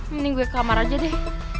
mending gue ke kamar aja deh